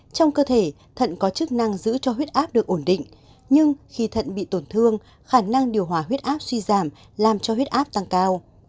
trong cơ thể thận có chức năng giữ cho huyết áp được ổn định nhưng khi thận bị tổn thương khả năng điều hòa huyết áp suy giảm làm cho huyết áp tăng cao